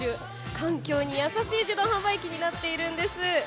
環境に優しい自動販売機になっているんです。